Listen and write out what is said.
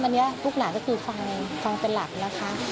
อันนี้ลูกหลานก็คือฟังเป็นหลักนะคะ